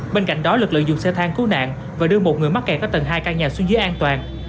bên cạnh đó lực lượng dùng xe thang cứu nạn và đưa một người mắc kẹt ở tầng hai căn nhà xuống dưới an toàn